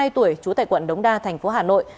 bốn mươi hai tuổi trú tại quận đống đa thành phố hà nội